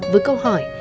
với câu hỏi